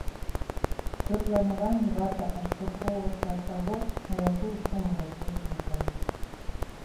Пры планаванні варта адштурхоўвацца ад таго, на якую суму разлічаны праект.